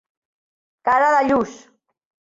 Cara de lluç.